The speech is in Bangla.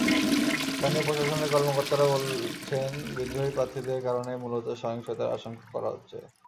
স্থানীয় প্রশাসনের কর্মকর্তারা বলছেন, বিদ্রোহী প্রার্থীদের কারণেই মূলত সহিংসতার আশঙ্কা করা হচ্ছে।